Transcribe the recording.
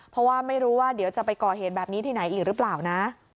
เพราะว่าไม่รู้ว่าเดี๋ยวจะไปก่อเหตุแบบนี้ที่ไหนอีกหรือเปล่านะ